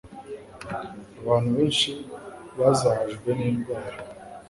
abantu benshi bazahajwe n'indwara